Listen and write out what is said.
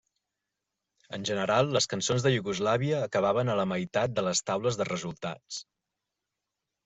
En general, les cançons de Iugoslàvia acabaven a la meitat de les taules de resultats.